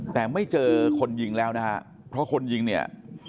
แต่ไม่เจอคนยิงแล้วว่าคนยิงเนี่ย